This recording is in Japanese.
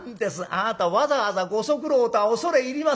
あなたわざわざご足労とは恐れ入りますな。